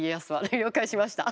了解しました。